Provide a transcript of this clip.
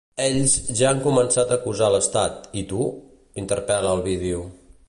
Ells ja han començat a acusar l’estat, i tu?, interpel·la el vídeo.